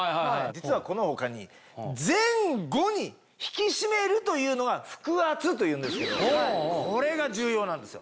実はこの他に前後に引き締めるというのが腹圧というんですけどこれが重要なんですよ。